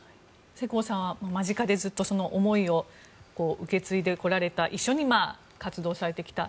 世耕さんは間近でずっとその思いを受け継いでこられた一緒に活動されてきた。